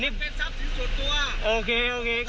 พี่ผมปิดให้พี่ได้แล้วเนี่ย